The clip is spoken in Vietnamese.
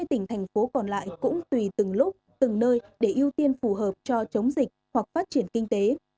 ba mươi tỉnh thành phố còn lại cũng tùy từng lúc từng nơi để ưu tiên phù hợp cho chống dịch hoặc phát triển kinh tế